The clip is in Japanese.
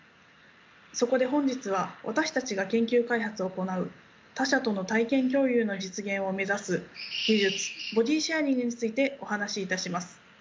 そこで本日は私たちが研究開発を行う他者との体験共有の実現を目指す技術ボディシェアリングについてお話しいたします。